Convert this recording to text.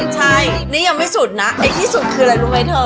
ใช่นี่ยังไม่สุดนะไอ้ที่สุดคืออะไรรู้ไหมเธอ